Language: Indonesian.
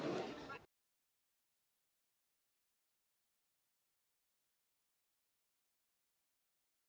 della blackfriar receiver di indonesia selama tahun dua ribu dua puluh